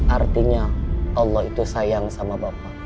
artinya allah itu sayang sama bapak